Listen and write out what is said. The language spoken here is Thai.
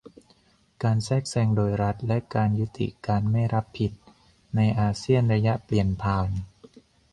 การแทรกแซงโดยรัฐ และการยุติการไม่รับผิด ในอาเซียนระยะเปลี่ยนผ่าน